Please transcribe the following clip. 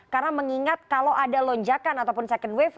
karena mengingat kalau ada lonjakan ataupun second wave